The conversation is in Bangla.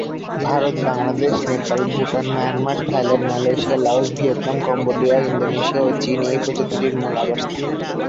Bharat, Bangladesh, Nepal, Bhutan, Myanmar, Thailand, Malaysia, Laos, Vietnam, Cambodia, Indonesia ও চীন এই প্রজাতিটির মূল আবাসস্থল।